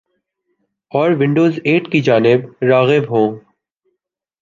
اور Windows eight کی جانب راغب ہوں ۔